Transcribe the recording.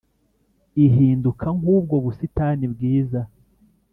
ihinduka nk’ubwo busitani bwiza